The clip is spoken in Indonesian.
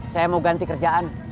saya mau ganti kerjaan